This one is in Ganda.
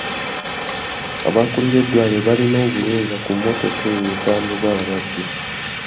Abakuulira eddwaliro balina obuyinza ku mmotoka eyo etambuza abalwadde.